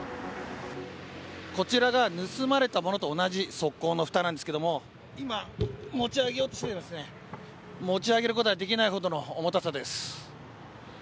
こちらが盗まれたものと同じ側溝のふたなんですけど今、持ち上げようとしても持ち上げることができないほどの重たさです。